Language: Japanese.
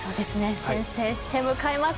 先制して迎えます